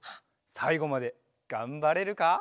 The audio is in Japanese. さいごまでがんばれるか？